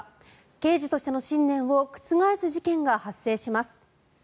刑事としての信念を覆す事件が発生します。